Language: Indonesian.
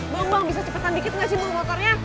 bang bang bisa cepetan dikit gak sih mau moternya